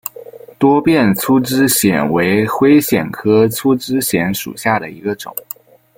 多变粗枝藓为灰藓科粗枝藓属下的一个种。